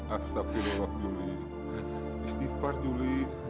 astagfirullahaladzim juli istighfar juli